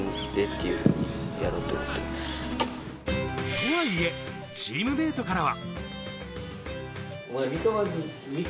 とはいえ、チームメートからは。